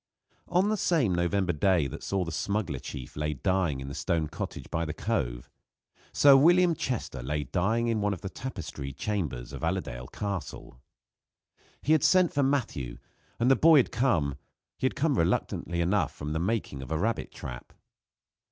On the same November day that saw the smuggler chief lay dying in the stone cottage by the Cove, Sir William Chester lay dying in one of the tapestried chambers of Allerdale Castle. He had sent for Matthew, and the boy had come had come reluctantly enough from the making of a rabbit trap.